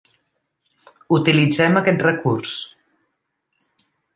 Utilitzem aquest recurs.